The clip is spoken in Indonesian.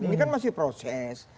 ini kan masih proses